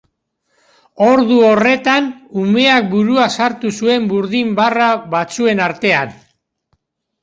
Ordu horretan, umeak burua sartu zuen burdin barra batzuen artean.